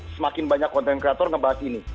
satu semakin banyak content creator ngebahas ini